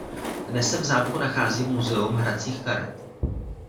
Dnes se v zámku nachází muzeum hracích karet.